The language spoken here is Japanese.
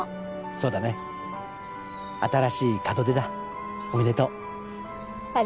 そうだね新しい門出だおめでとう